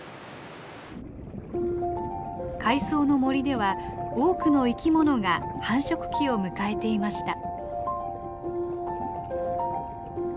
海藻の森では多くの生き物が繁殖期を迎えていました。